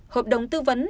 hợp đồng tư vấn